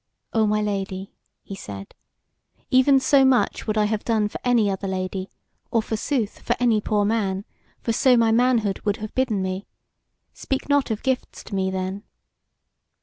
"O my Lady," he said, "even so much would I have done for any other lady, or, forsooth, for any poor man; for so my manhood would have bidden me. Speak not of gifts to me then.